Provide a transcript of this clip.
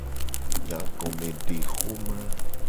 Nyagomedexoma.